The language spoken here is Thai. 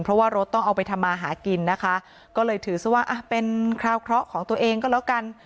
เพราะว่ารถต้องเอาไปทำมาหากินนะคะก็เลยถือซะว่าเป็นคราวเคราะห์ของตัวเองก็แล้วกัน